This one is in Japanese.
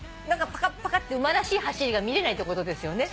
パカッパカッて馬らしい走りが見れないってことですよね。